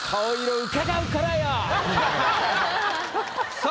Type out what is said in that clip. さあ。